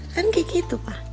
kan kayak gitu pak